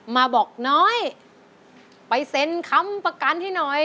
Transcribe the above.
มาบอกน้อยไปเซ็นค้ำประกันให้หน่อย